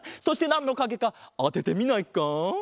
そしてなんのかげかあててみないか？